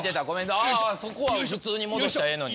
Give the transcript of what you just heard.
ああっそこは普通に戻したらええのに。